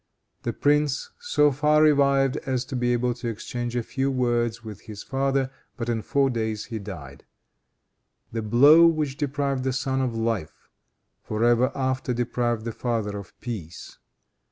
The prince so far revived as to be able to exchange a few words with his father, but in four days he died. The blow which deprived the son of life, for ever after deprived the father of peace.